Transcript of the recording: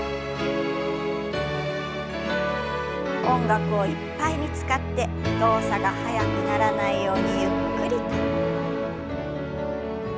音楽をいっぱいに使って動作が速くならないようにゆっくりと。